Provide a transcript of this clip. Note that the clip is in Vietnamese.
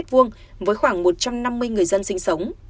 với khoảng một triệu đồng